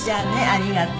ありがとう。